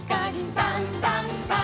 「さんさんさん」